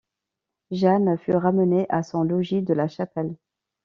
Jeanne fut ramenée à son logis de la Chapelle.